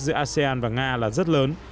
giữa asean và nga là rất lớn